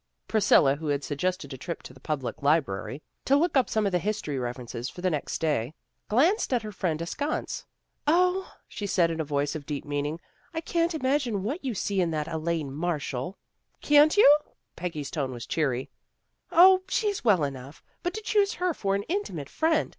Priscilla, who had suggested a trip to the public library, to look up some of the history references for the next day, glanced at her friend askance. "0," she said in a voice of deep meaning, " I can't imagine what you see in that Elaine Marshall." " Can't you? " Peggy's tone was cheery. " O, she's well enough. But to choose her for an intimate friend!